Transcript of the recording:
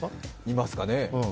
いますかね。